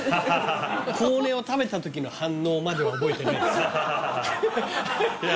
コウネを食べた時の反応までは覚えてないですいや